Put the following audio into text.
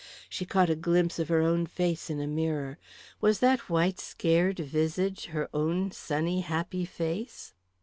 She caught a glimpse of her own face in a mirror. Was that white scared visage her own sunny, happy face?